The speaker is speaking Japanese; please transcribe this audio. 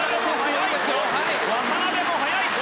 渡辺も速いぞ！